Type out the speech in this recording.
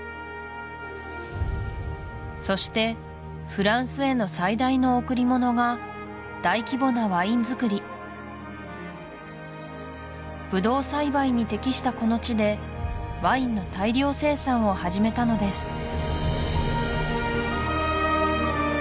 そしてフランスへの最大の贈り物が大規模なワイン造りブドウ栽培に適したこの地でワインの大量生産を始めたのです